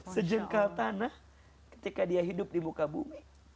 sejengkal tanah ketika dia hidup di muka bumi